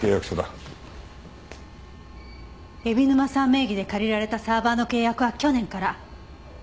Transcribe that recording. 名義で借りられたサーバーの契約は去年から。